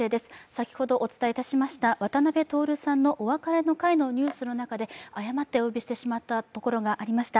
先ほどお伝えいたしました、渡辺徹さんのお別れの会のニュースの中で誤ってお呼びしてしまったところがありました。